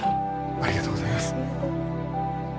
ありがとうございます。